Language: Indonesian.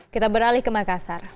kita beralih ke makassar